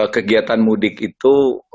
kegiatan mudik itu